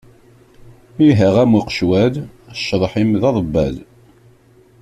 Iha am uqecwal, cceḍḥ-im d aḍebbal.